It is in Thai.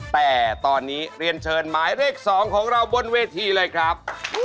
แต่ตอนนี้เรียนเชิญหมายเลข๒ของเราบนเวทีเลยครับ